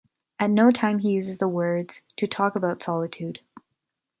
At no time he uses the words to talk about solitude.